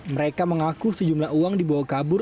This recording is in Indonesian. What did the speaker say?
mereka mengaku sejumlah uang dibawa kabur